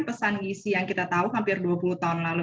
pesan gizi yang kita tahu hampir dua puluh tahun lalu